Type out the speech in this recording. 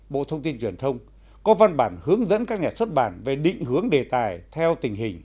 bộ thông tin truyền thông có văn bản hướng dẫn các nhà xuất bản về định hướng đề tài theo tình hình